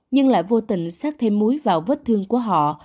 nhưng lại vô tình xác thêm muối vào vết thương của họ